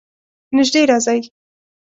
نژدې راځئ